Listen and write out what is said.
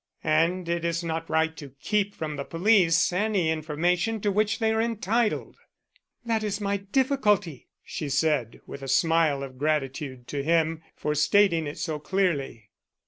"And it is not right to keep from the police any information to which they are entitled." "That is my difficulty," she said, with a smile of gratitude to him for stating it so clearly.